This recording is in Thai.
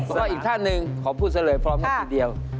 เพราะอีกท่านหนึ่งขอพูดซะเลยพร้อมครับทีเดียว